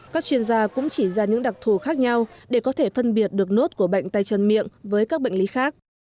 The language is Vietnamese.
các chuyên gia cũng chỉ ra những đặc thù khác nhau để có thể phân biệt được nốt của bệnh tay chân miệng với các bệnh lý khác